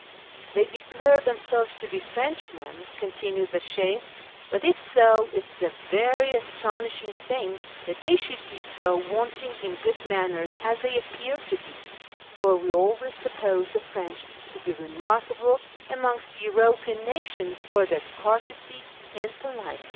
" They declare themselves to be Preuchmen," continued the Sheykh, " but if so it is a very astonishing thing that they should be so wanting in good manners as they appear to be, for we always suppose the Prench to be remarkable amongst European nations for their courtesy and politeness."